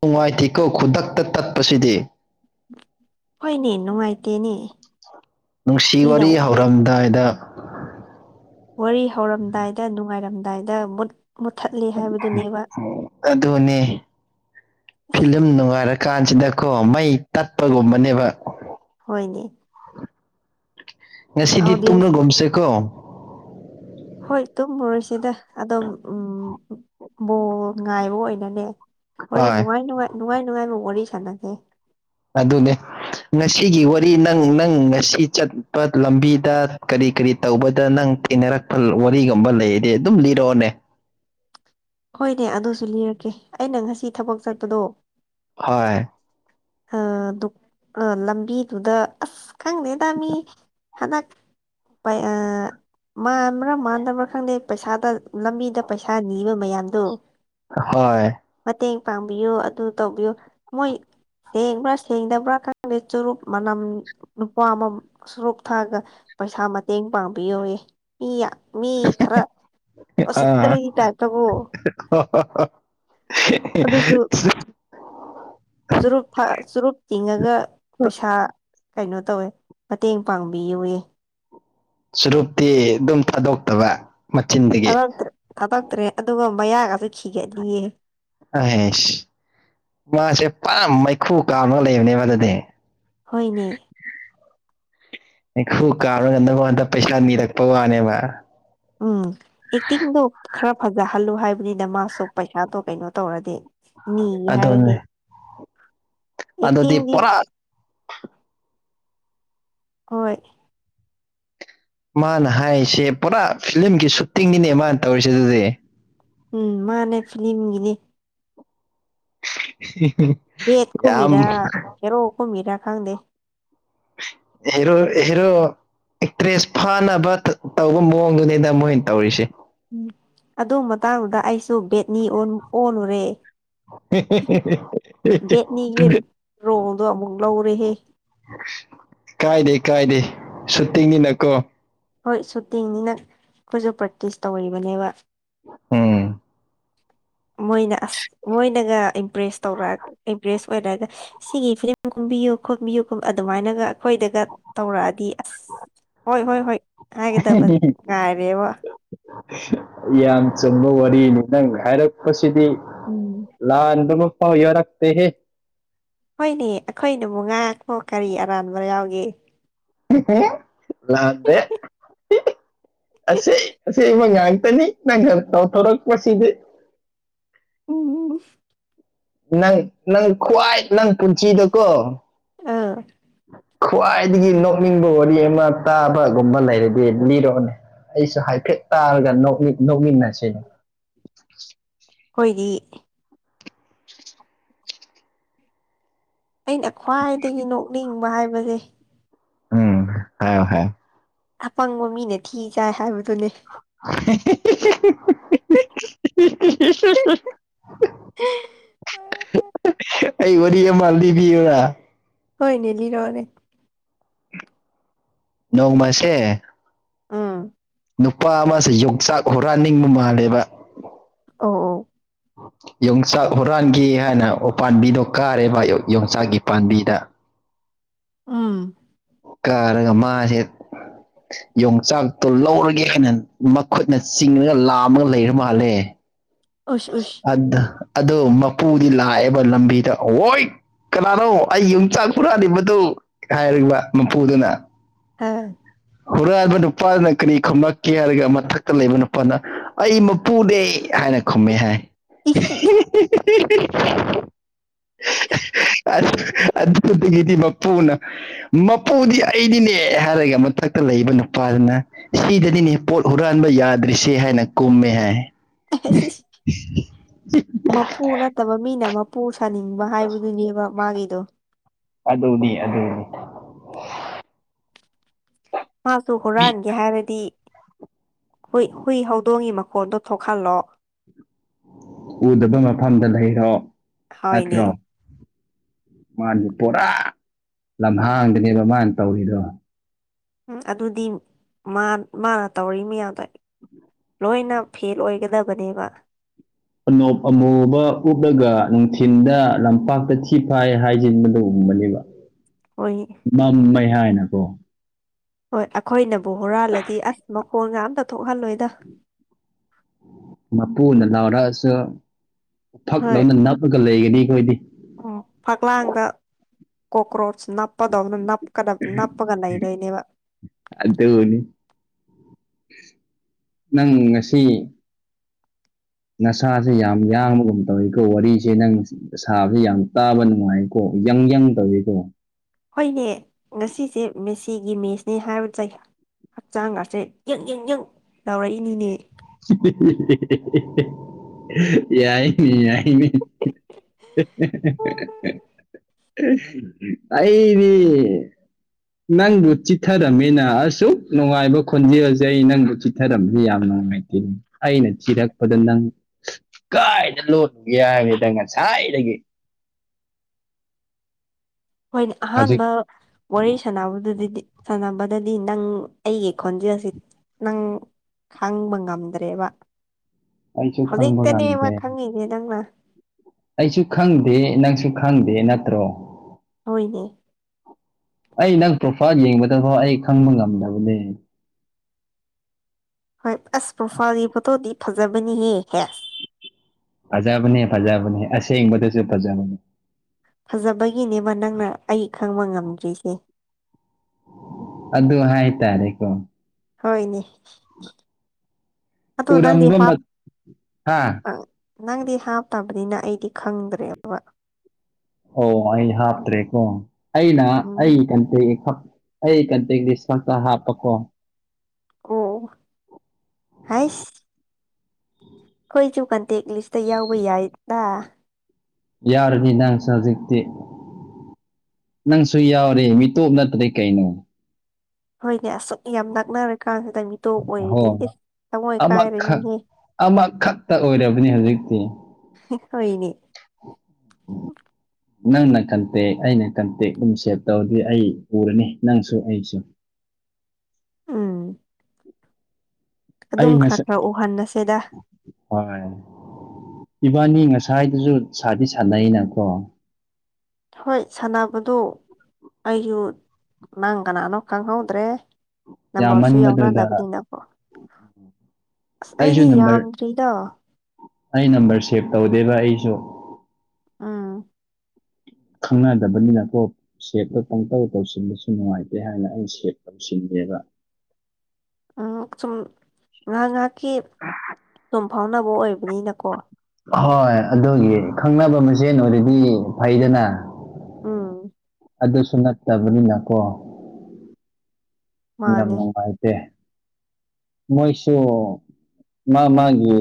ꯅꯨꯡꯉꯥꯏꯇꯦꯀꯣ ꯈꯨꯗꯛꯇ ꯇꯠꯄꯁꯤꯗꯤ ꯍꯣꯏꯅꯦ ꯅꯨꯡꯉꯥꯏꯇꯦꯅꯦ ꯅꯨꯡꯁꯤ ꯃꯤꯅ ꯋꯥꯔꯤ ꯍꯧꯔꯝꯗꯥꯏꯗ ꯋꯥꯔꯤ ꯍꯧꯔꯝꯗꯥꯏꯗ ꯅꯨꯡꯉꯥꯏꯔꯝꯗꯥꯏꯗ ꯃꯨꯠ ꯃꯨꯠꯊꯠꯂꯤ ꯍꯥꯏꯕꯗꯨꯅꯦꯕ [unintelligible] ꯑꯗꯨꯅꯦ ꯐꯤꯂꯝ ꯅꯨꯡꯉꯥꯏꯔꯀꯥꯟꯁꯤꯗꯀꯣ ꯃꯩ ꯇꯠꯄꯒꯨꯝꯕꯅꯦꯕ ꯍꯣꯏꯅꯦ ꯉꯁꯤꯗꯤ ꯑꯥꯎꯗꯤꯌꯦꯟꯁ ꯇꯨꯝꯔꯒꯨꯝꯁꯦꯀꯣ ꯍꯣꯏ ꯇꯨꯝꯃꯔꯣꯏꯁꯤꯗ ꯑꯗꯨꯝ ꯎꯝ ꯕꯣꯜ ꯉꯥꯏꯕ ꯑꯣꯏꯅꯅꯦ ꯋꯥꯔꯤ ꯍꯣꯏ ꯅꯨꯡꯉꯥꯏ ꯅꯨꯡꯉꯥꯏ ꯅꯨꯡꯉꯥꯏ ꯅꯨꯡꯉꯥꯏꯕ ꯋꯥꯔꯤ ꯁꯥꯟꯅꯁꯦ ꯑꯗꯨꯅꯦ ꯉꯁꯤꯒꯤ ꯋꯥꯔꯤ ꯅꯪ ꯅꯪ ꯉꯁꯤ ꯆꯠꯄ ꯂꯝꯕꯤꯗ ꯀꯔꯤ ꯀꯔꯤ ꯇꯧꯕꯗ ꯅꯪ ꯊꯦꯡꯅꯔꯛꯄ ꯋꯥꯔꯤꯒꯨꯝꯕ ꯂꯩꯔꯗꯤ ꯑꯗꯨꯝ ꯂꯤꯔꯛꯑꯣꯅꯦ ꯍꯣꯏꯅꯦ ꯑꯗꯨꯁꯨ ꯂꯤꯔꯛꯀꯦ ꯑꯩꯅ ꯉꯁꯤ ꯊꯕꯛ ꯆꯠꯄꯗꯣ ꯍꯣꯏ ꯑ ꯗꯨꯛꯑ ꯂꯝꯕꯤꯗꯨꯗ ꯑꯁ ꯈꯪꯗꯦꯗꯥ ꯃꯤ ꯍꯟꯗꯛ ꯄꯥꯏ ꯑ ꯃꯥꯟꯕ꯭ꯔꯥ ꯃꯥꯟꯗꯕ꯭ꯔꯥ ꯈꯪꯗꯦ ꯄꯩꯁꯥꯗ ꯂꯝꯕꯤꯗ ꯄꯩꯁꯥ ꯅꯤꯕ ꯃꯌꯥꯝꯗꯣ ꯍꯣꯏ ꯃꯇꯦꯡ ꯄꯥꯡꯕꯤꯌꯨ ꯑꯗꯨ ꯇꯧꯕꯤꯌꯨ ꯃꯣꯏ ꯁꯦꯡꯕ꯭ꯔꯥ ꯁꯦꯡꯗꯕ꯭ꯔ ꯈꯪꯗꯦ ꯆꯨꯔꯨꯞ ꯃꯅꯝ ꯅꯨꯄꯥ ꯑꯃ ꯁꯨꯔꯨꯞ ꯊꯥꯛꯑꯒ ꯄꯩꯁꯥ ꯃꯇꯦꯡ ꯄꯥꯡꯕꯤꯌꯣꯌꯦ ꯃꯤ ꯌꯥ ꯃꯤ ꯈꯔ ꯑꯥ ꯎꯁꯤꯠꯇꯕꯒꯤ ꯇꯥꯏꯞꯇꯒꯣ ꯑꯗꯨꯁꯨ ꯆꯨꯔꯨꯞ ꯐꯥ ꯆꯨꯔꯨꯞ ꯆꯤꯡꯉꯒ ꯄꯩꯁꯥ ꯀꯩꯅꯣ ꯇꯧꯋꯦ ꯃꯇꯦꯡ ꯄꯥꯡꯕꯤꯌꯨꯌꯦ ꯆꯨꯔꯨꯞꯇꯤ ꯑꯗꯨꯝ ꯊꯥꯗꯣꯛꯇꯕ ꯃꯆꯤꯟꯗꯒꯤ ꯊꯥꯗꯣꯛꯇ꯭ꯔꯦ ꯊꯥꯗꯛꯇ꯭ꯔꯦ ꯑꯗꯨꯒ ꯃꯌꯥꯒꯁꯨ ꯈꯤꯒꯠꯂꯤꯌꯦ ꯍꯦꯁ ꯃꯥꯁꯦ ꯄꯨꯔꯥ ꯃꯩꯈꯨ ꯀꯥꯕꯒꯥ ꯂꯩꯕꯅꯦꯕ ꯑꯗꯨꯗꯤ ꯍꯣꯏꯅꯦ ꯃꯩꯈꯨ ꯀꯥꯝꯔꯒꯥ ꯅꯪ ꯂꯉꯣꯟꯗ ꯄꯩꯁꯥ ꯅꯤꯔꯛꯄ ꯋꯥꯅꯦꯕ ꯎꯝ ꯑꯦꯛꯇꯤꯡꯗꯣ ꯈꯔ ꯐꯖꯍꯜꯂꯨ ꯍꯥꯏꯕꯅꯤꯗꯥ ꯃꯥꯁꯨ ꯄꯩꯁꯥꯗꯣ ꯀꯩꯅꯣ ꯇꯧꯔꯗꯤ ꯅꯤꯒꯦ ꯍꯥꯏꯔꯗꯤ ꯑꯗꯨꯅꯦ ꯑꯗꯨꯗꯤ ꯑꯦꯛꯇꯤꯡꯗꯤ ꯄꯨꯔꯥ ꯍꯣꯏ ꯃꯥꯅ ꯍꯥꯏꯔꯤꯁꯦ ꯄꯨꯔꯥ ꯐꯤꯂꯝꯒꯤ ꯁꯨꯇꯤꯡꯒꯤꯅꯦ ꯃꯥꯅ ꯇꯧꯔꯤꯁꯦ ꯑꯗꯨꯗꯤ ꯎꯝ ꯃꯥꯅꯦ ꯐꯤꯂꯝꯒꯤꯅꯦ ꯌꯥꯝ ꯍꯤꯔꯣ ꯀꯨꯃꯤꯔꯥ ꯈꯪꯗꯦ ꯍꯦꯔꯣ ꯍꯦꯔꯣ ꯑꯦꯛꯇ꯭ꯔꯦꯁ ꯐꯥꯅꯕ ꯇꯧꯕ ꯃꯑꯣꯡꯗꯨꯅꯤꯗ ꯃꯣꯏꯅ ꯇꯧꯔꯤꯁꯦ ꯎꯝ ꯑꯗꯨ ꯃꯇꯥꯡꯗꯨꯗ ꯑꯩꯁꯨ ꯕꯦꯠꯅꯤ ꯑꯣꯟ ꯑꯣꯜꯂꯨꯔꯦ ꯕꯦꯠꯅꯤꯒꯤ ꯔꯣꯜꯗꯣ ꯑꯃꯨꯛ ꯂꯧꯔꯦꯍꯦ ꯀꯥꯏꯗꯦ ꯀꯥꯏꯗꯦ ꯁꯨꯇꯤꯡꯅꯤꯅꯀꯣ ꯍꯣꯏ ꯁꯨꯇꯤꯡꯅꯤꯅ ꯑꯩꯈꯣꯏꯁꯨ ꯄ꯭ꯔꯦꯛꯇꯤꯁ ꯇꯧꯔꯤꯕꯅꯦꯕ ꯎꯝ ꯃꯣꯏꯅ ꯑꯁ ꯃꯣꯏꯅꯒ ꯏꯝꯄ꯭ꯔꯦꯁ ꯇꯧꯔ ꯏꯝꯄ꯭ꯔꯦꯁ ꯑꯣꯏꯔꯒ ꯁꯤꯒꯤ ꯐꯤꯂꯝ ꯀꯨꯝꯕꯤꯌꯨ ꯈꯣꯠꯄꯤꯌꯨ ꯑꯗꯨꯃꯥꯏꯅꯒ ꯑꯩꯈꯣꯏꯗꯒ ꯇꯧꯔꯛꯑꯗꯤ ꯑꯁ ꯍꯣꯏ ꯍꯣꯏ ꯍꯣꯏ ꯍꯥꯏꯒꯗꯕ ꯉꯥꯏꯔꯦꯕ ꯌꯥꯝ ꯆꯨꯝꯕ ꯋꯥꯔꯤꯅꯤ ꯅꯪ ꯍꯥꯏꯔꯛꯄꯁꯤꯗꯤ ꯎꯝ ꯂꯥꯟꯕ ꯃꯥꯐꯥꯎ ꯌꯔꯛꯇꯦꯍꯦ ꯍꯣꯏꯅꯦ ꯑꯩꯈꯣꯏꯅꯕꯨ ꯉꯥꯏꯍꯥꯛꯄꯣ ꯀꯔꯤ ꯑꯔꯥꯟꯕ ꯌꯥꯎꯒꯦ ꯂꯥꯟꯗꯦ ꯑꯁꯦꯡ ꯑꯁꯦꯡꯕꯥ ꯉꯥꯛꯇꯅꯤ ꯅꯪꯅꯥ ꯇꯧꯊꯣꯔꯛꯄꯁꯤꯗꯤ ꯎꯝ ꯅꯪ ꯅꯪ ꯈ꯭ꯋꯥꯏ ꯅꯪ ꯄꯨꯟꯁꯤꯗꯨꯀꯣ ꯑꯧ ꯈ꯭ꯋꯥꯏꯗꯒꯤ ꯅꯣꯛꯅꯤꯡꯕ ꯋꯥꯔꯤ ꯑꯃ ꯇꯥꯕꯒꯨꯝꯕ ꯂꯩꯔꯗꯤ ꯂꯤꯔꯛꯑꯣꯅꯦ ꯑꯩꯁꯨ ꯍꯥꯏꯐꯦꯠ ꯇꯥꯔꯒ ꯅꯣꯛꯃꯤꯟꯅꯁꯤꯅꯦ ꯑꯩꯈꯣꯏꯗꯤ ꯑꯩꯅ ꯈ꯭ꯋꯥꯏꯗꯒꯤ ꯅꯣꯛꯅꯤꯡꯕ ꯍꯥꯏꯕꯁꯦ ꯎꯝ ꯍꯥꯏꯌꯣ ꯍꯥꯏꯌꯣ ꯑꯄꯪꯕ ꯃꯤꯅ ꯊꯤ ꯆꯥꯏ ꯍꯥꯏꯕꯗꯨꯅꯦ ꯑ ꯑꯩ ꯋꯥꯔꯤ ꯑꯃ ꯂꯤꯕꯤꯌꯨꯔꯥ ꯍꯣꯏꯅꯦ ꯂꯤꯔꯛꯑꯣꯅꯦ ꯅꯣꯡ ꯃꯥꯁꯦ ꯎꯝ ꯅꯨꯄꯥ ꯑꯃꯁꯦ ꯌꯣꯡꯆꯥꯛ ꯍꯨꯔꯥꯟ ꯅꯤꯡꯕ ꯃꯥꯜꯂꯦꯕ ꯑꯣ ꯑꯣ ꯌꯣꯡꯆꯥꯛ ꯍꯨꯔꯥꯟꯒꯦ ꯍꯥꯏꯅ ꯎ ꯄꯥꯟꯕꯤꯗꯣ ꯀꯥꯔꯦꯕ ꯌꯣꯡꯆꯥꯛꯒꯤ ꯄꯥꯝꯕꯤꯗ ꯎꯝ ꯀꯥꯔꯒ ꯃꯥꯁꯦ ꯌꯣꯡꯆꯥꯛ - ꯇꯣ ꯂꯧꯔꯒꯦ ꯍꯥꯏꯅ ꯃꯈꯨꯠꯅ ꯆꯤꯡꯉꯒ ꯂꯥꯝꯃꯒ ꯂꯩꯔ ꯃꯥꯜꯂꯦ ꯎꯁ ꯎꯁ ꯑꯗꯣ ꯃꯄꯨꯗꯤ ꯂꯥꯛꯑꯦꯕ ꯂꯝꯕꯤꯗ ꯍꯣꯏꯠ ꯀꯅꯥꯅꯣ ꯑꯩ ꯌꯣꯡꯆꯥꯛ ꯍꯨꯔꯥꯜ ꯂꯤꯕꯗꯨ ꯍꯥꯏꯔꯤꯕ ꯃꯄꯨꯗꯨꯅ ꯍꯥ ꯍꯨꯔꯥꯟꯕ ꯅꯨꯄꯥꯗꯅ ꯀꯔꯤ ꯈꯨꯝꯂꯛꯀꯦ ꯍꯥꯏꯔꯒ ꯃꯊꯛꯇ ꯂꯩꯕ ꯅꯨꯄꯥꯗꯨꯅ ꯑꯩ ꯃꯄꯨꯅꯦ ꯍꯥꯏꯅ ꯈꯨꯝꯃꯦ ꯍꯥꯏ ꯍ ꯑ ꯑꯥꯗꯨꯗꯥꯒꯤꯗꯤ ꯃꯄꯨꯅ ꯃꯄꯨꯗꯤ ꯑꯩꯅꯤꯅꯦ ꯍꯥꯏꯔꯒ ꯃꯊꯛ - ꯇ ꯂꯩꯕ ꯅꯨꯄꯥꯗꯨꯅ ꯁꯤꯗꯗꯤꯅꯦ ꯄꯣꯠ ꯍꯨꯔꯥꯟꯕ ꯌꯥꯗ꯭ꯔꯤꯁꯦ ꯍꯥꯏꯅ ꯀꯨꯝꯃꯦ ꯍꯥꯏ ꯃꯄꯨ ꯅꯠꯇꯕ ꯃꯤꯅ ꯃꯥ - ꯄꯨ ꯁꯥꯅꯤꯡꯕ ꯍꯥꯏꯕꯗꯨꯅꯦꯕ ꯃꯥꯒꯤꯗꯣ ꯑꯗꯨꯅꯤ ꯑꯗꯨꯅꯤ ꯃꯥꯁꯨ ꯃꯤ ꯍꯨꯔꯥꯟꯒꯦ ꯍꯥꯏꯔꯗꯤ ꯍꯨꯏ ꯍꯨꯏ ꯍꯧꯗꯣꯡꯒꯤ ꯃꯈꯣꯟꯗꯣ ꯊꯣꯛꯍꯜꯂꯣ ꯎꯗꯕ ꯃꯐꯝꯗ ꯂꯩꯔꯣ ꯍꯣꯏꯅꯦ ꯅꯠꯇ꯭ꯔꯣ ꯃꯥꯗꯤ ꯄꯨꯔꯥ ꯎꯝ ꯂꯝꯍꯥꯡꯗꯅꯦꯕ ꯃꯥꯅ ꯇꯧꯔꯤꯗꯣ ꯎꯝ ꯑꯗꯨꯗꯤ ꯃꯥ ꯃꯥꯅ ꯇꯧꯔꯤ ꯃꯤꯌꯥꯝꯗ ꯂꯣꯏꯅ ꯐꯦꯜ ꯑꯣꯏꯒꯗꯕꯅꯦꯕ ꯑꯣꯅꯣꯞ ꯑꯃꯨꯕ ꯎꯞꯂꯒ ꯅꯨꯡꯊꯤꯟꯗ ꯂꯝꯄꯥꯛꯇ ꯊꯤ ꯐꯥꯏ ꯍꯥꯏꯖꯤꯟꯕꯗꯣ ꯒꯨꯝꯕꯅꯦꯕ ꯑꯣꯏ ꯃꯝ ꯃꯦ ꯍꯥꯏꯅꯀꯣ ꯍꯣꯏ ꯑꯩꯈꯣꯏꯅꯕꯨ ꯍꯨꯔꯥꯜꯂꯗꯤ ꯑꯁ ꯃꯈꯣꯟꯒ ꯑꯝꯇ ꯊꯣꯛꯍꯜꯂꯣꯏꯗ ꯃꯄꯨꯅ ꯂꯥꯎꯔꯛꯑꯁꯨ ꯎꯐꯛ ꯗꯧꯅ ꯅꯞꯂꯒ ꯂꯩꯒꯅꯤ ꯑꯩꯈꯣꯏꯗꯤ ꯎꯝ ꯐꯛꯂꯥꯡꯗ ꯀꯣꯀ꯭ꯔꯣꯆ ꯅꯞꯄꯗꯧꯅ ꯅꯞꯀꯗꯕ ꯅꯄꯒ ꯂꯩꯗꯨꯏꯅꯦꯕ ꯑꯗꯨꯅꯤ ꯅꯪ ꯉꯁꯤ ꯅꯁꯥꯁꯦ ꯌꯥꯝ ꯌꯥꯡꯕꯒꯨꯝ ꯇꯧꯋꯤꯀꯣ ꯋꯥꯔꯤꯁꯦ ꯅꯪ ꯁꯥꯕ ꯌꯥꯝ ꯇꯥꯕ ꯅꯨꯡꯉꯥꯏꯀꯣ ꯌꯪ ꯌꯥꯪ ꯇꯧꯋꯤꯀꯣ ꯍꯣꯏꯅꯦ ꯉꯁꯤꯁꯦ ꯃꯦꯁꯤꯒꯤ ꯃꯦꯁꯅꯦ ꯍꯥꯏꯔꯨ ꯆꯩꯩ ꯍꯛꯆꯥꯡꯒꯁꯦ ꯌꯦ ꯌꯦꯡ ꯌꯦ ꯂꯥꯎꯔꯛꯏꯅꯤꯅꯦ [unintelligible] ꯌꯥꯏꯅꯤ ꯌꯥꯏꯅꯤ ꯑꯩꯗꯤ ꯅꯪꯕꯨ ꯆꯤꯊꯔꯝꯃꯤꯅ ꯑꯁꯨꯛ ꯅꯨꯡꯉꯥꯏꯕ ꯈꯣꯟꯖꯦꯜꯁꯦ ꯑꯩ ꯅꯪꯕꯨ ꯆꯤꯊꯔꯝꯅꯤ ꯌꯥꯝ ꯅꯨꯡꯉꯥꯏ ꯑꯩꯅ ꯊꯤꯔꯛꯄꯗ ꯅꯪ ꯀꯥꯏꯗ ꯂꯣꯟꯂꯨꯒꯦ ꯍꯥꯏꯕꯅꯤꯗ ꯉꯁꯥꯏꯗꯒꯤ ꯍꯣꯏꯅꯦ ꯍꯧꯖꯤꯛ ꯑꯍꯥꯟꯕ ꯋꯥꯔꯤ ꯁꯥꯟꯅꯕꯗꯨꯗꯤꯗꯤ ꯁꯥꯟꯅꯕꯗꯗꯤ ꯅꯪ ꯑꯩꯒꯤ ꯈꯣꯟꯖꯦꯜꯁꯤ ꯅꯪ ꯈꯪꯕ ꯉꯝꯗ꯭ꯔꯦꯕ ꯑꯩꯁꯨ ꯈꯪꯕ ꯍꯧꯖꯤꯛꯇꯅꯦꯕ ꯉꯝꯗꯦ ꯈꯪꯉꯤꯖꯦ ꯅꯪꯅ ꯑꯩꯁꯨ ꯈꯪꯗꯦ ꯅꯪꯁꯨ ꯈꯪꯗꯦ ꯅꯠꯇ꯭ꯔꯣ ꯍꯣꯏꯅꯦ ꯑꯩ ꯅꯪ ꯄ꯭ꯔꯣꯐꯥꯏꯟ ꯌꯦꯡꯕꯗꯐꯥꯎ ꯑꯩ ꯈꯪꯕ ꯉꯝꯗꯕꯅꯦ ꯍꯣꯏ ꯑꯁ ꯄ꯭ꯔꯣꯐꯥꯏꯜꯒꯤ ꯐꯣꯇꯣꯗꯤ ꯐꯖꯕꯅꯤꯍꯦ ꯍꯦꯁ ꯐꯖꯕꯅꯦ ꯐꯖꯕꯅꯦ ꯑꯁꯦꯡꯕꯗꯁꯨ ꯐꯖꯕꯅꯦ ꯐꯖꯕꯒꯤꯅꯦꯕ ꯅꯪꯅ ꯑꯩ ꯈꯪꯕ ꯉꯝꯗ꯭ꯔꯤꯁꯦ ꯑꯗꯨ ꯍꯥꯏ ꯇꯔꯦ ꯀꯣ ꯍꯣꯏꯅꯦ ꯑꯇꯣ ꯅꯡꯗꯤ ꯎꯔꯝꯕ ꯍꯥꯞ ꯃꯠ ꯍꯥ ꯑꯪ ꯅꯪꯗꯤ ꯍꯥꯞꯇꯕꯅꯤꯅ ꯑꯩꯗꯤ ꯈꯪꯗ꯭ꯔꯦꯕ ꯑꯣ ꯑꯩ ꯍꯥꯞꯇ꯭ꯔꯦꯀꯣ ꯑꯩꯅ ꯑꯩ ꯎꯝ ꯏꯊꯟꯇꯒꯤ ꯍꯞ ꯑꯩ ꯏꯊꯥꯟꯇꯒꯤ ꯂꯩꯁꯇ꯭ ꯑꯝꯇ ꯍꯥꯞꯄꯀꯣ ꯑꯣ ꯍꯥꯏꯁ ꯈꯣꯏꯁꯨ ꯀꯟꯇꯦꯛ ꯂꯤꯁꯇ ꯌꯥꯎꯕ ꯌꯥꯏꯗ ꯌꯥꯔꯅꯤꯅ ꯁꯖꯤꯛꯇꯤ ꯅꯪꯁꯨ ꯌꯥꯎꯔꯦ ꯃꯤꯇꯣꯞ ꯅꯠꯇꯗꯤ ꯀꯩꯅꯣ ꯍꯣꯏꯅꯦ ꯑꯁꯨꯛ ꯌꯥꯝ ꯅꯛꯅꯔ ꯀꯥꯟꯁꯤꯗ ꯃꯤꯇꯣ ꯑꯣꯏꯗꯤ ꯍꯣꯏ ꯏꯁ ꯇꯃꯣꯏ ꯑꯃꯈꯛ ꯀꯥꯏꯔꯅꯤꯍꯦ ꯑꯃꯈꯛꯇ ꯑꯣꯏꯔꯕꯅꯤ ꯍꯧꯖꯤꯛꯇꯤ ꯍꯣꯏꯅꯤ ꯅꯪꯅ ꯀꯟꯇꯦꯛ ꯑꯩꯅ ꯀꯟꯇꯦꯛ ꯑꯗꯨꯝ ꯁꯦꯞ ꯇꯧꯔꯗꯤ ꯑꯩ ꯎꯔꯅꯤ ꯅꯪꯁꯨ ꯑꯩꯁꯨ ꯎꯝ ꯑꯩ ꯑꯗꯨꯝ ꯈꯔ ꯉꯁꯥꯏ ꯈꯔ ꯎꯍꯟꯅꯁꯦꯗ ꯍꯣꯏ ꯏꯕꯥꯅꯤ ꯉꯁꯥꯏꯗꯨꯖꯨ ꯁꯥꯗꯤ ꯁꯥꯅꯩꯅꯀꯣ ꯍꯣꯏ ꯁꯥꯟꯅꯕꯗꯨ ꯑꯩꯁꯨ ꯅꯪ ꯀꯅꯥꯅꯣ ꯈꯪꯍꯧꯗ꯭ꯔꯦ ꯅꯝꯕꯔꯁꯤ ꯌꯥꯝꯃꯟꯕꯗꯨꯗ ꯌꯥꯎꯅꯗꯕꯅꯤꯅꯀꯣ ꯑꯁ ꯑꯩꯁꯨ ꯑꯩꯗꯤ ꯅꯝꯕꯔ ꯌꯥꯝꯗ꯭ꯔꯤꯗ ꯑꯩ ꯅꯝꯕꯔ ꯁꯦꯚ ꯇꯧꯗꯦꯕ ꯑꯩꯁꯨ ꯎꯝ꯫ ꯈꯪꯅꯗꯕꯅꯤꯅ ꯀꯣ ꯁꯦꯞꯇꯣ ꯄꯪꯇꯧ ꯇꯧꯁꯤꯟꯕꯁꯨ ꯅꯨꯡꯉꯥꯏꯇꯦ ꯍꯥꯏꯅ ꯑꯩ ꯁꯦꯞ ꯇꯧꯁꯤꯟꯗꯦꯕ ꯑꯥ ꯁꯨꯝ ꯉꯍꯥꯛ ꯉꯍꯥꯛꯀꯤ [unintelligible] ꯑꯗꯨꯝ ꯐꯥꯎꯅꯕ ꯑꯣꯏꯕꯅꯤꯅꯀꯣ ꯍꯣꯏ ꯑꯗꯨꯒꯤ ꯈꯪꯅꯕ ꯃꯁꯦꯟ ꯑꯣꯏꯔꯗꯤ ꯐꯩꯗꯅ ꯎꯃ ꯑꯗꯨꯁꯨ ꯅꯠꯇꯕꯅꯤꯅ ꯀꯣ ꯌꯥꯝ ꯃꯥꯅꯦ ꯅꯨꯡꯉꯥꯏꯇꯦ ꯃꯣꯏꯁꯨ ꯃꯥ ꯃꯥꯒꯤ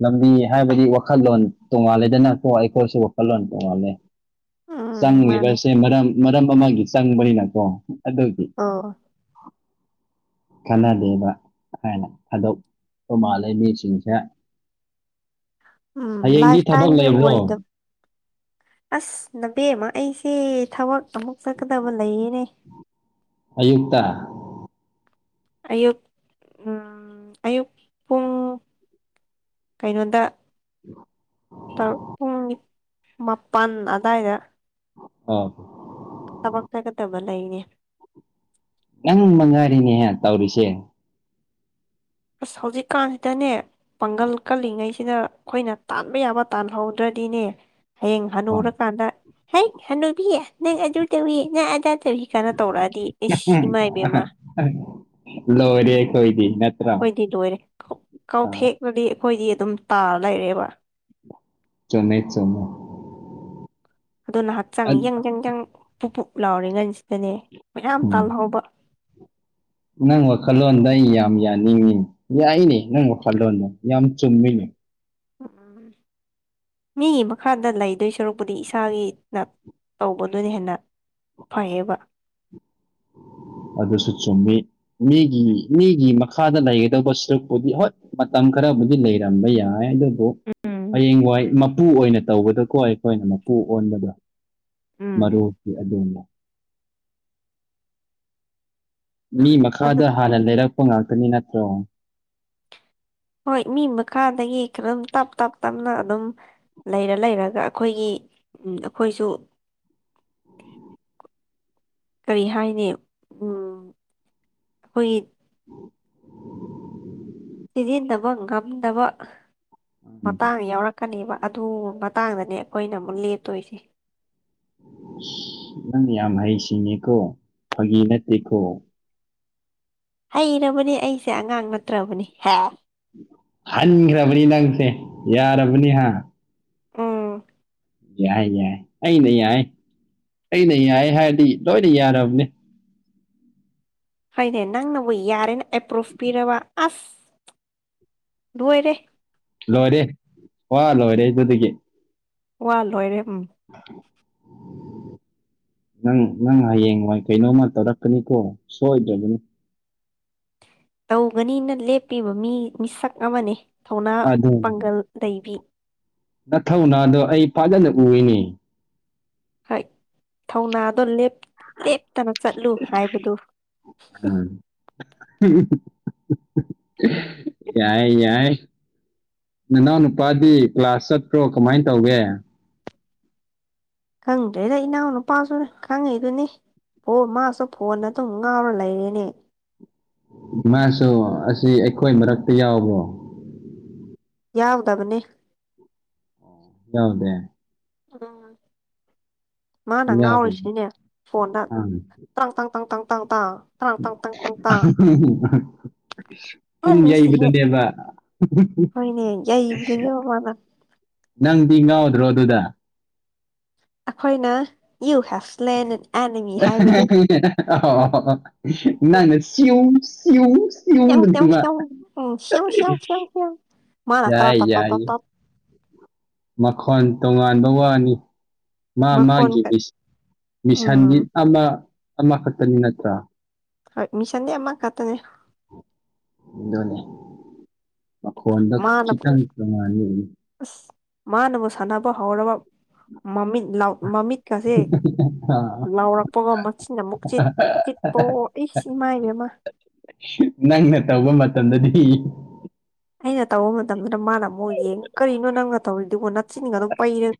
ꯂꯝꯕꯤ ꯍꯥꯏꯕꯗꯤ ꯋꯥꯈꯜꯂꯣꯟ ꯇꯣꯡꯉꯥꯜꯂꯦꯗ ꯀꯣ ꯑꯩꯈꯣꯏꯁꯨ ꯋꯥꯈꯜꯂꯣꯟ ꯇꯣꯡꯉꯥꯜꯂꯦ ꯎꯝ ꯃꯥꯅꯦ ꯆꯪꯉꯤꯕꯁꯦ ꯃꯔꯝ ꯃꯔꯝ ꯑꯃꯒꯤ ꯆꯪꯕꯅꯤꯅꯀꯣ ꯑꯗꯨꯒꯤ ꯑꯣ ꯈꯟꯅꯗꯦꯕ ꯍꯥꯏꯅ ꯑꯗꯣꯞꯄꯥ ꯃꯥꯜꯂꯦ ꯃꯤꯁꯤꯡꯁꯦ ꯎꯝ ꯍꯌꯦꯡꯗꯤ ꯂꯥꯏꯐ ꯊꯕꯛ ꯇꯥꯏꯝꯒꯤ ꯂꯩꯕ꯭ꯔꯣ ꯑꯣꯏꯗꯕ ꯑꯁ ꯅꯕꯦꯝꯃꯥ ꯑꯩꯁꯦ ꯊꯕꯛ ꯑꯃꯨꯛ ꯆꯠꯀꯗꯕ ꯂꯩꯌꯦꯅꯦ ꯑꯌꯨꯛꯇ ꯑꯌꯨꯛ ꯎꯝ ꯑꯌꯨꯛ ꯄꯨꯡ ꯀꯩꯅꯣꯗ ꯇꯔꯨꯛ ꯄꯨꯡ ꯃꯥꯄꯟ ꯑꯗꯥꯏꯗ ꯑꯥꯎ ꯊꯕꯛ ꯆꯠꯀꯗꯕ ꯂꯩꯅꯦ ꯅꯪ ꯃꯉꯥꯏꯔꯤꯅꯦꯍꯦ ꯇꯧꯔꯤꯁꯦ ꯑꯁ ꯍꯧꯖꯤꯛꯀꯥꯟꯁꯤꯗꯅꯦ ꯄꯥꯡꯒꯜ ꯀꯜꯂꯤꯉꯩꯁꯤꯅ ꯑꯈꯣꯏꯅ ꯇꯥꯟꯕ ꯌꯥꯕ ꯇꯥꯜꯍꯧꯗ꯭ꯔꯗꯤꯅꯦ ꯍꯌꯦꯡ ꯑꯣ ꯍꯅꯨꯔꯀꯥꯟꯗ ꯍꯩ ꯍꯟꯅꯨꯕꯤ ꯅꯪ ꯑꯗꯨ ꯇꯧꯋꯤ ꯅꯪ ꯑꯗꯥ ꯇꯧꯋꯤ ꯀꯥꯏꯅ ꯇꯧꯔꯛꯑꯗꯤ ꯏꯁ ꯎꯝ ꯏꯃꯥꯏ ꯕꯦꯝꯃ ꯂꯣꯏꯔꯦ ꯑꯩꯈꯣꯏꯗꯤ ꯅꯠꯇ꯭ꯔ ꯗꯤ ꯂꯣꯏꯔꯦ ꯀꯥꯎ ꯀꯥꯎꯊꯦꯛꯔꯗꯤ ꯑꯩꯈꯣꯏꯗꯤ ꯑꯗꯨꯝ ꯇꯥꯔ ꯂꯩꯔꯦꯕ ꯆꯨꯝꯃꯦ ꯆꯨꯝꯃꯦ ꯑꯗꯨꯅ ꯍꯥꯛꯆꯪ ꯑꯠ ꯌꯪ ꯌꯪ ꯌꯪ ꯄꯨꯞ ꯄꯨꯞ ꯂꯥꯎꯔꯤ ꯉꯟꯁꯤꯗꯅꯦ ꯃꯌꯥꯝ ꯎꯝ ꯇꯥꯜꯍꯧꯕ ꯅꯪ ꯋꯥꯈꯜꯂꯣꯟꯗ ꯑꯩ ꯌꯥꯝ ꯌꯥꯅꯤꯡꯉꯤꯅꯦ ꯌꯥꯏꯅꯦ ꯅꯪ ꯋꯥꯈꯜꯂꯣꯟꯗꯣ ꯌꯥꯝ ꯆꯨꯝꯃꯤꯅꯦ ꯃꯤꯒꯤ ꯃꯈꯥꯗ ꯂꯩꯗꯣꯏ ꯁꯔꯨꯛꯄꯨꯗꯤ ꯏꯁꯥꯒꯤꯅ ꯇꯧꯕꯗꯨꯅ ꯍꯦꯟꯅ ꯐꯩꯌꯦꯕ ꯑꯗꯨꯁꯨ ꯆꯨꯝꯃꯤ ꯃꯤꯒꯤ ꯃꯤꯒꯤ ꯃꯈꯥꯗ ꯂꯩꯒꯗꯧꯕ ꯁꯔꯨꯛꯄꯨꯗꯤ ꯍꯣꯏ ꯃꯇꯝ ꯈꯔꯕꯨꯗꯤ ꯂꯩꯔꯝꯕ ꯌꯥꯏ ꯑꯗꯨ ꯔꯨꯛ ꯍꯌꯦꯡꯋꯥꯏ ꯃꯄꯨ ꯑꯣꯏꯅ ꯇꯧꯕꯗꯀꯣ ꯑꯩꯈꯣꯏꯅ ꯃꯄꯨ ꯑꯣꯟꯕꯗꯣ ꯎꯝ ꯃꯔꯨꯗꯤ ꯑꯗꯨꯅꯤ ꯃꯤ ꯑꯗꯨ ꯃꯈꯥꯗ ꯍꯥꯟꯅ ꯂꯩꯔꯛꯄ ꯉꯥꯛꯇꯅꯤ ꯅꯠꯇ꯭ꯔꯣ ꯍꯣꯏ ꯃꯤ ꯃꯈꯥꯗꯒꯤ ꯈ꯭ꯔꯝ ꯇꯞ ꯇꯞ ꯇꯞꯅ ꯑꯗꯨꯝ ꯂꯩꯔ ꯂꯩꯔꯒ ꯑꯈꯣꯏꯒꯤ ꯎꯝ ꯑꯈꯣꯏꯁꯨ ꯀꯔꯤ ꯍꯥꯏꯅꯤ ꯎꯝ ꯑꯩꯈꯣꯏꯒꯤ [inaudible] ꯁꯤꯖꯤꯟꯅꯕ ꯉꯝꯗꯕ ꯃꯇꯥꯡ ꯌꯥꯎꯔꯛ ꯀꯅꯤꯕ ꯑꯗꯨ ꯃꯇꯥꯡꯗꯅꯦ ꯑꯈꯣꯏꯅ ꯑꯃꯨꯛ ꯂꯦꯞꯇꯣꯏꯁꯦ ꯅꯪ ꯌꯥꯝ ꯍꯩ ꯁꯤꯡꯉꯦꯀꯣ ꯐꯥꯒꯤ ꯅꯠꯇꯦꯀꯣ ꯍꯩꯔꯕꯅꯤ ꯑꯩꯁꯦ ꯑꯉꯥꯡ ꯅꯠꯇ꯭ꯔꯕꯅꯤ ꯍꯦ ꯍꯟꯒ꯭ꯔꯕꯅꯤ ꯅꯪꯁꯦ ꯌꯥꯔꯕꯅꯤ ꯍꯥ ꯎꯝ ꯌꯥꯏ ꯌꯥꯏ ꯑꯩꯅ ꯌꯥꯏ ꯑꯩꯅ ꯌꯥꯏ ꯍꯥꯏꯔꯗꯤ ꯂꯣꯏꯅ ꯌꯥꯔꯕꯅꯤ ꯍꯣꯏꯅꯦ ꯅꯪꯅꯕꯨ ꯌꯥꯔꯦꯅ ꯑꯦꯄ꯭ꯔꯨꯐ ꯄꯤꯔꯕ ꯑꯁ ꯂꯣꯏꯔꯦ ꯂꯣꯏꯔꯦ ꯋꯥ ꯂꯣꯏꯔꯦ ꯑꯗꯨꯗꯒꯤ ꯋꯥ ꯂꯣꯏꯔꯦꯝ [inaudible] ꯅꯪ ꯅꯪ ꯍꯌꯦꯡ ꯋꯥꯏ ꯀꯩꯅꯣꯝꯃ ꯇꯧꯔꯛꯀꯅꯤꯀꯣ ꯁꯣꯏꯗ꯭ꯔꯕꯅꯤ ꯇꯧꯒꯅꯤꯅ ꯂꯦꯞꯄꯤꯕ ꯃꯤ ꯃꯤꯁꯛ ꯑꯃꯅꯦ ꯊꯧꯅꯥ ꯑꯗꯨ ꯄꯥꯡꯒꯜ ꯂꯩꯕꯤ꯫ ꯅꯊꯧꯅꯥꯗꯣ ꯑꯩ ꯐꯥꯖꯅ ꯎꯌꯦꯅꯦ꯫ ꯍꯣꯏ ꯊꯧꯅꯥꯗꯣ ꯂꯦꯞ ꯂꯦꯞꯇꯅ ꯆꯠꯂꯨ ꯍꯥꯏꯕꯗꯨ ꯎꯝ ꯌꯥꯏ ꯌꯥꯏ ꯅꯅꯥꯎꯅ ꯅꯨꯄꯥꯗꯤ ꯀ꯭ꯂꯥꯁ ꯆꯠꯄ꯭ꯔꯣ ꯀꯃꯥꯏꯟ ꯇꯧꯒꯦ ꯈꯪꯗ꯭ꯔꯦꯗ ꯏꯅꯥꯎ ꯅꯨꯄꯥꯁꯨꯅꯤ ꯈꯪꯉꯤꯗꯨꯅꯤ꯫ ꯍꯣ ꯃꯥꯁꯨ ꯐꯣꯟ ꯑꯗꯨꯝ ꯉꯥꯎꯔ ꯂꯩꯔꯦꯅꯦ꯫ ꯃꯥꯁꯨ ꯑꯁꯤ ꯑꯩꯈꯣꯏ ꯃꯔꯛꯇ ꯌꯥꯎꯕ꯭ꯔꯣ꯫ ꯌꯥꯎꯗꯕꯅꯤ꯫ ꯌꯥꯎꯗꯦ꯫ ꯎꯝ ꯃꯥꯅ ꯌꯥꯎꯗꯦ ꯉꯥꯎꯔꯤꯁꯤꯅꯦ ꯐꯣꯟꯗ꯫ ꯑꯥ ꯇ꯭ꯔꯥꯡ ꯇꯥꯡ ꯇꯥꯡ ꯇꯥꯡ ꯇꯥꯡ ꯇꯥꯡ ꯫ [unintelligible] ꯗꯦꯠ ꯄꯨꯡ ꯃꯤꯟꯁ ꯗ ꯍꯦꯠ ꯌꯩꯕꯗꯅꯦꯕ ꯍꯣꯏꯅꯦ ꯌꯩꯕꯗꯨꯅꯦꯕ ꯃꯥꯅ ꯅꯪꯗꯤ ꯉꯥꯎꯗ꯭ꯔꯣ ꯑꯗꯨꯗ꯫ ꯑꯈꯣꯏꯅ ꯌꯨ ꯍꯦꯞ ꯁ꯭ꯂꯦꯟ ꯑꯦꯟ ꯑꯦꯅꯤꯃꯤ ꯍꯥꯏꯕꯗꯨ [unintelligible] ꯅꯪꯅ ꯁꯤꯌꯨꯡꯁ ꯁꯤꯌꯨꯡꯁ꯫ ꯁ꯭ꯌꯝ ꯁ꯭ꯌꯝ ꯁ꯭ꯌꯝ ꯎꯝ ꯁ꯭ꯌꯝ ꯁ꯭ꯌꯝ ꯁ꯭ꯌꯝ [unintelligible] ꯁ꯭ꯌꯝ ꯃꯥꯅ ꯇ꯭ꯔꯥ ꯌꯥꯏ ꯇꯥ ꯇꯥ ꯇꯥ ꯌꯥꯏ꯫ ꯇꯥ ꯃꯈꯣꯟ ꯇꯣꯉꯥꯟꯕ ꯋꯥꯅꯤ ꯃꯥ ꯃꯥꯒꯤ ꯃꯈꯣꯟꯒ ꯏꯁ ꯎꯝ ꯃꯤꯁꯟꯗꯤ ꯑꯃ ꯑꯃꯈꯛꯇꯅꯤ ꯅꯠꯇ꯭ꯔꯥ꯫ ꯍꯣꯢ ꯃꯤꯁꯟꯗꯤ ꯑꯃ ꯈꯠꯇꯅꯦ꯫ ꯗꯨꯅꯦ ꯃꯈꯣꯟꯗ ꯃꯥꯅ ꯈꯤꯇꯪ ꯇꯣꯡꯉꯥꯟꯕꯥꯒꯤ ꯑꯁ ꯃꯥꯅꯕꯨ ꯁꯥꯟꯅꯕ ꯍꯧꯔꯕ ꯃꯃꯤꯠ ꯂꯥꯎ ꯃꯃꯤꯠꯀꯁꯦ ꯂꯥꯎꯔꯛꯄꯒ ꯃꯆꯤꯟ ꯑꯃꯨꯛ ꯆꯤꯛ ꯆꯤꯛꯄꯋꯣ ꯏꯁ ꯏꯃꯥꯏꯕꯦꯝꯃ꯫ ꯅꯪꯅ ꯇꯧꯕ ꯃꯇꯝꯗꯗꯤ꯫ ꯑꯩꯅ ꯇꯧꯕ ꯃꯇꯝꯗꯅ ꯃꯥꯅ ꯑꯃꯨꯛ ꯌꯦꯡꯉ ꯀꯔꯤꯅꯣ ꯅꯪꯅ ꯇꯧꯔꯤꯗꯨꯕꯣ ꯅꯠꯆꯤꯟ ꯀꯗꯣ ꯄꯩꯔ